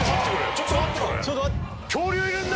ちょっと待ってくれ。